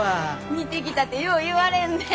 似てきたてよう言われんねん。